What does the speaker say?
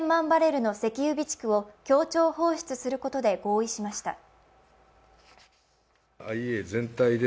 バレルの石油備蓄を協調放出することで合意しました。